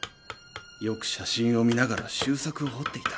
よく写真を見ながら習作を彫っていた。